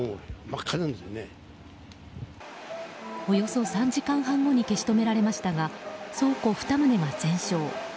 およそ３時間半後に消し止められましたが倉庫２棟が全焼。